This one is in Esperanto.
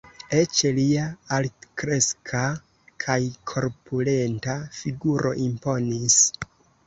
Eĉ lia altkreska kaj korpulenta figuro imponis.